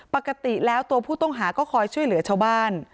ปกติแล้วตัวผู้ต้องหาก็คอยช่วยเหลือชาวบ้าน